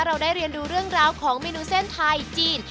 เราได้เรียนดูเรื่องราวของเมนูเส้นไทยจีน